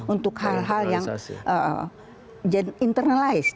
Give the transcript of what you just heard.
untuk hal hal yang internalized